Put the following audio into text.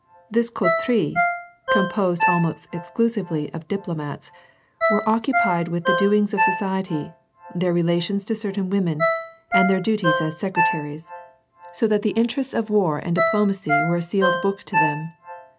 This coferiey composed almost exclusively of diplo mats, were occupied with the doings of society, their relations to certain women, and their duties as secretaries, so that the WAR AND PEACE. 1^ iaterests of war and diplomacy were a sealed book to tliem.